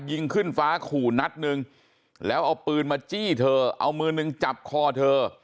ยิงขึ้นฟ้าขู่นัดนึงแล้วเอาปืนมาจี้เธอเอามือนึงจับคอเธอ